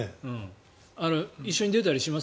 一緒に出たりします？